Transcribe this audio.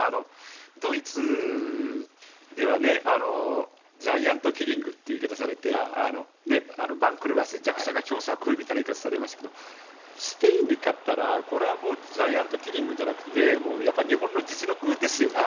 ドイツではジャイアントキリングという言い方をされて番狂わせ、弱者が強者を食うみたいな言い方をされますけどスペインに勝ったらジャイアントキリングじゃなくて日本の実力ですよね。